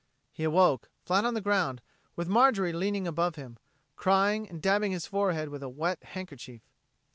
He awoke, flat on the ground, with Marjorie leaning above him, crying and dabbing his forehead with a wet handkerchief.